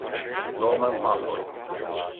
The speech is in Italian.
Norman Malloy